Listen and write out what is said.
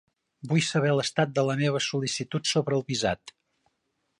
Vull saber l'estat de la meva sol·licitut sobre el visat.